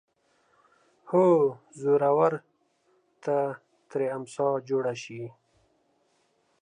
هو زورور ته ترې امسا جوړه شي